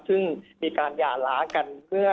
ซึ่งมีการหย่าร้ากัน